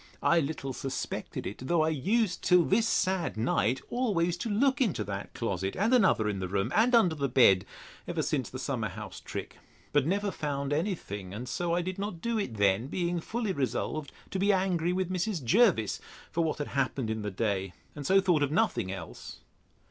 I little suspected it; though I used, till this sad night, always to look into that closet and another in the room, and under the bed, ever since the summer house trick; but never found any thing; and so I did not do it then, being fully resolved to be angry with Mrs. Jervis for what had happened in the day, and so thought of nothing else.